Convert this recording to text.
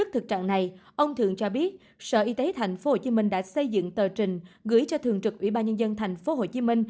trạng này ông thượng cho biết sở y tế tp hcm đã xây dựng tờ trình gửi cho thường trực ủy ba nhân dân tp hcm